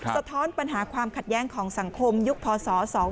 สะท้อนปัญหาความขัดแย้งของสังคมยุคพศ๒๕๖